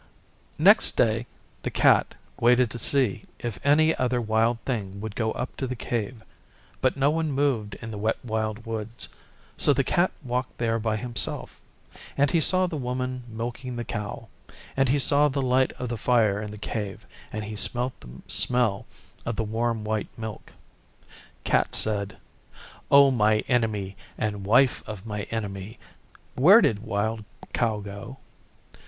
Next day the Cat waited to see if any other Wild thing would go up to the Cave, but no one moved in the Wet Wild Woods, so the Cat walked there by himself; and he saw the Woman milking the Cow, and he saw the light of the fire in the Cave, and he smelt the smell of the warm white milk. Cat said, 'O my Enemy and Wife of my Enemy, where did Wild Cow go?